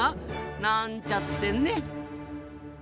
なんちゃってね。